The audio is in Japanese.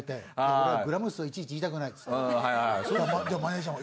俺はグラム数をいちいち言いたくないっていって。